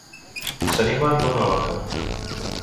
S'animen l'un a l'altre.